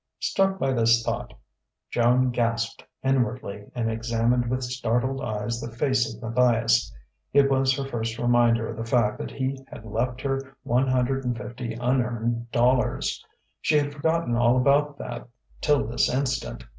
Struck by this thought, Joan gasped inwardly, and examined with startled eyes the face of Matthias. It was her first reminder of the fact that he had left her one hundred and fifty unearned dollars. She had forgotten all about that till this instant.